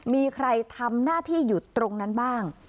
มีใครทำหน้าที่อยู่ตรงนั้นบ้าง